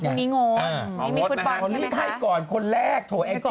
ไม่ได้ก่อนคนแรก